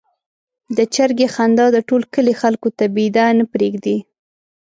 د چرګې خندا د ټول کلي خلکو ته بېده نه پرېږدي.